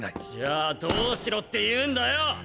じゃあどうしろって言うんだよ